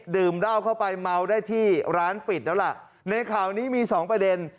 ดื่มเหล้าเข้าไปเมาได้ที่ร้านปิดแล้วล่ะในข่าวนี้มีสองประเด็น